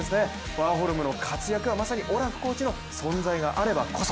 ワーホルムの活躍はオラフコーチの存在があればこそ。